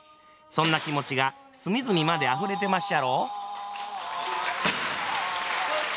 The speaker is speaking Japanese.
そんな気持ちが隅々まであふれてまっしゃろ？